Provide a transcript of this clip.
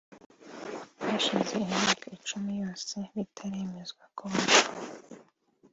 Hashize imyaka icumi yose bitaremezwa ko bapfuye